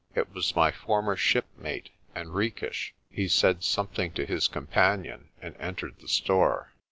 It was my former shipmate, Henriques. He said something to his companion, and entered the store.